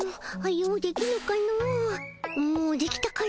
もうできたかの？